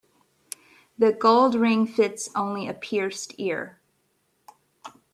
The gold ring fits only a pierced ear.